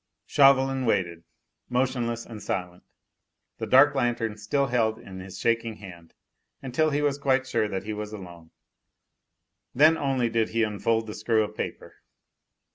Chauvelin waited, motionless and silent, the dark lantern still held in his shaking hand, until he was quite sure that he was alone. Then only did he unfold the screw of paper.